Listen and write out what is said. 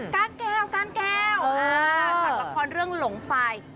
กั้นแก้วหลักละครเรื่องหลงไฟ